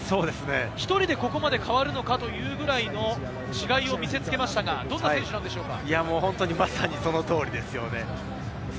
１人でここまで変わるのかというくらいの違いを見せつけましたが、どんな選手なのでしょうか？